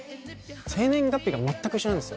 生年月日が全く一緒なんですよ。